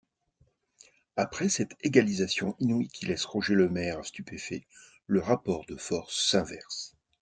Après cette égalisation inouïe, qui laisse Roger Lemerre stupéfait, le rapport de force s'inverse.